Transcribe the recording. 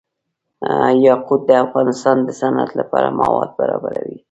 یاقوت د افغانستان د صنعت لپاره مواد برابروي.